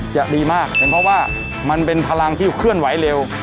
จะดีมากเป็นเพราะว่ามันเป็นพลังที่เคลื่อนไหวเร็ว